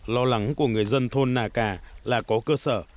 lo lắng của người dân thôn nà cà là có cơ sở